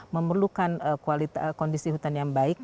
memerlukan kondisi hutan yang baik